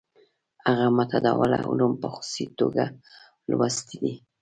هغه متداوله علوم په خصوصي توګه لوستي دي.